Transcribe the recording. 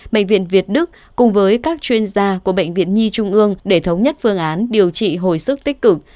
bệnh viện việt đức cùng với các chuyên gia của bệnh viện nhi trung ương để thống nhất phương án điều trị hồi sức tích cực